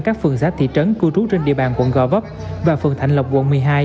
các phường xã thị trấn cư trú trên địa bàn quận gò vấp và phường thạnh lộc quận một mươi hai